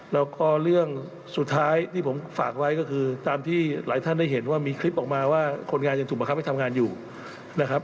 แล้วก็เรื่องสุดท้ายที่ผมฝากไว้ก็คือตามที่หลายท่านได้เห็นว่ามีคลิปออกมาว่าคนงานยังถูกบังคับให้ทำงานอยู่นะครับ